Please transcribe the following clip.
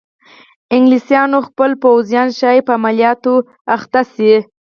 انګلیسیانو خپل پوځیان ښایي په عملیاتو لګیا شي.